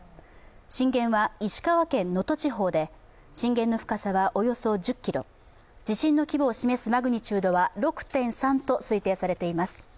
震源は石川県能登地方で震源の深さはおよそ１０ｋｍ、地震の規模を占めるマグニチュードは６．３と観測されています。